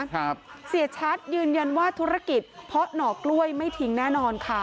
เสียชัดยืนยันว่าธุรกิจเพราะหน่อกล้วยไม่ทิ้งแน่นอนค่ะ